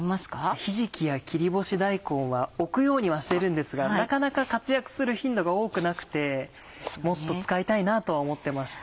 ひじきや切り干し大根は置くようにはしてるんですがなかなか活躍する頻度が多くなくてもっと使いたいなとは思ってました。